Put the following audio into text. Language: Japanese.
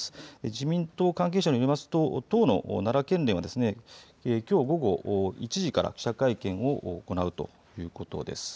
自民党関係者によりますと党の奈良県ではきょう午後１時から記者会見を行うということです。